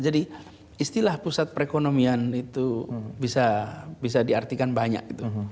jadi istilah pusat perekonomian itu bisa diartikan banyak